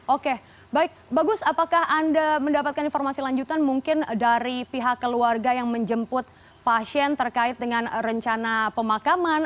oke baik bagus apakah anda mendapatkan informasi lanjutan mungkin dari pihak keluarga yang menjemput pasien terkait dengan rencana pemakaman